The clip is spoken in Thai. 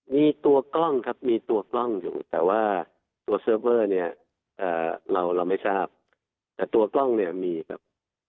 มีตัวกล้องครับมีตัวกล้องอยู่แต่ว่าตัวเซิร์ฟเวอร์เนี่ยเราไม่ทราบแต่ตัวกล้องเนี่ยมีครับ